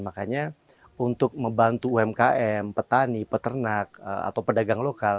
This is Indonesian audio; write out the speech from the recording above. makanya untuk membantu umkm petani peternak atau pedagang lokal